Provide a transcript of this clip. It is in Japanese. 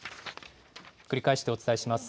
繰り返してお伝えします。